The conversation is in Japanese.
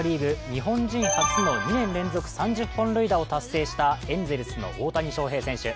日本人初の２年連続３０本塁打を達成したエンゼルスの大谷翔平選手。